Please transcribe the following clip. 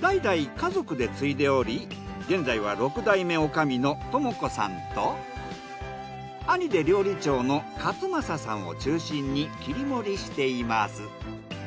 代々家族で継いでおり現在は六代目女将の友子さんと兄で料理長の克正さんを中心に切り盛りしています。